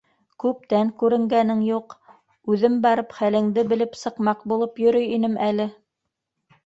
- Күптән күренгәнең юҡ, үҙем барып хәлеңде белеп сыҡмаҡ булып йөрөй инем әле...